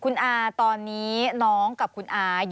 แล้วก็มีพี่อ้อยกับพี่อ้อค่ะ